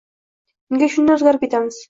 Nega shunday o‘zgarib ketamiz?